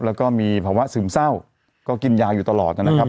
แล้วก็มีภาวะซึมเศร้าก็กินยาอยู่ตลอดนะครับ